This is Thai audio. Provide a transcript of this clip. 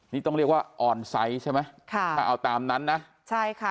นี่ต้องเรียกว่าใช่ไหมค่ะเอาตามนั้นนะใช่ค่ะ